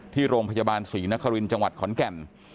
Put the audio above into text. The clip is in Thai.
ที่โรงพยาบาลศรีนครินทร์จังหวัดขอนแก่น